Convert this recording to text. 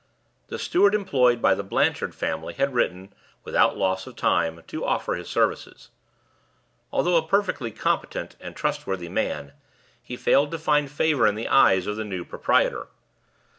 The steward employed by the Blanchard family had written, without loss of time, to offer his services. Although a perfectly competent and trustworthy man, he failed to find favor in the eyes of the new proprietor.